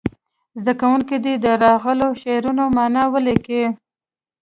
زده کوونکي دې د راغلو شعرونو معنا ولیکي.